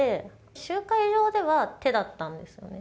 集会場では手だったんですよね。